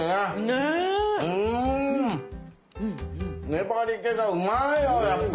粘りけがうまいわやっぱ。